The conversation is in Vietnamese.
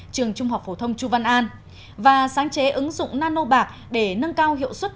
trường trung học phổ thông chu văn an và sáng chế ứng dụng nano bạc để nâng cao hiệu suất